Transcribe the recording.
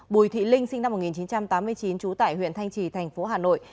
bùi thị linh sinh năm một nghìn chín trăm tám mươi chín trú tại huyện thanh trì thành phố hà nội